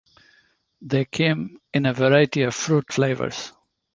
They came in a variety of fruit flavors.